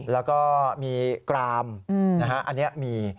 แล้วก็มีกรามอันนี้มี